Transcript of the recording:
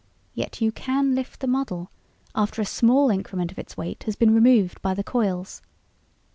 Yet you can lift the model after a small increment of its weight has been removed by the coils.